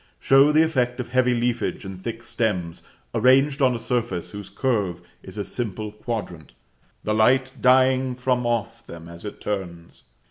show the effect of heavy leafage and thick stems arranged on a surface whose curve is a simple quadrant, the light dying from off them as it turns.